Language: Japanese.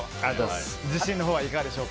自信のほうはいかがでしょうか。